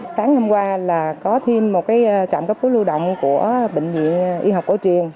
sáng hôm qua là có thêm một trạm cấp cứu lưu động của bệnh viện y học cổ truyền